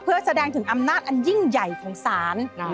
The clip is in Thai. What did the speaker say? เพื่อแสดงถึงอำนาจอันยิ่งใหญ่ของศาล